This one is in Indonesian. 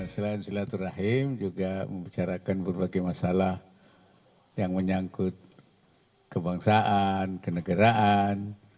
selain silaturahim juga membicarakan berbagai masalah yang menyangkut kebangsaan kenegaraan